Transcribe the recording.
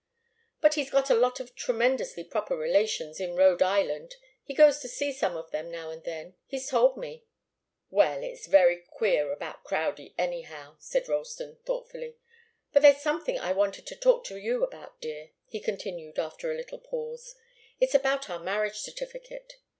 But he's got a lot of tremendously proper relations in Rhode Island. He goes to see some of them now and then. He's told me." "Well it's very queer about Crowdie, anyhow," said Ralston, thoughtfully. "But there's something I wanted to talk to you about, dear," he continued after a little pause. "It's about our marriage certificate.